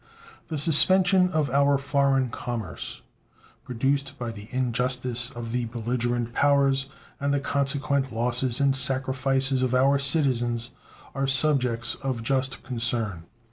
The suspension of our foreign commerce, produced by the injustice of the belligerent powers and the consequent losses and sacrifices of our citizens are subjects of just concern.